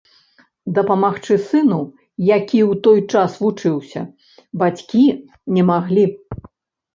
Дапамагчы сыну, які ў той час вучыўся, бацькі не маглі.